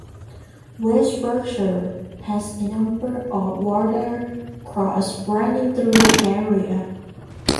West Berkshire has a number of water courses running through the area.